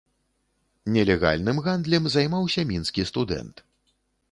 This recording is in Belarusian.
Нелегальным гандлем займаўся мінскі студэнт.